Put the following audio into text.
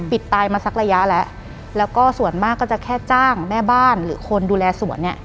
ตายมาสักระยะแล้วแล้วก็ส่วนมากก็จะแค่จ้างแม่บ้านหรือคนดูแลสวนเนี่ย